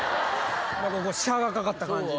ここ斜がかかった感じで。